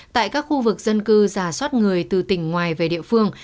tại các khu vực dân cư giả soát người từ tỉnh ngoài về địa phương